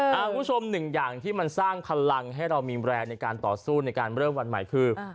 คุณผู้ชมหนึ่งอย่างที่มันสร้างพลังให้เรามีแรงในการต่อสู้ในการเริ่มวันใหม่คือ